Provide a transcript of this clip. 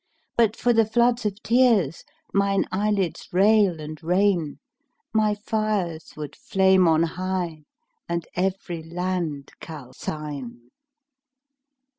But for the foods of tears mine eyelids rail and rain, * My fires would flame on high and every land calcine.